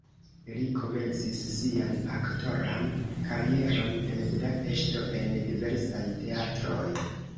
Li komencis sian aktoran karieron en Budapeŝto en diversaj teatroj.